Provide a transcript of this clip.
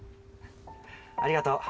ありがとう。